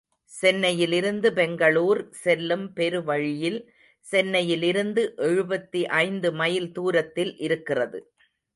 சென்னையிலிருந்து பெங்களூர் செல்லும் பெரு வழியில், சென்னையிலிருந்து எழுபத்தி ஐந்து மைல் தூரத்தில் இருக்கிறது.